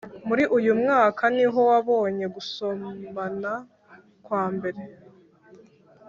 muri uyu mwaka niho wabonye gusomana kwambere.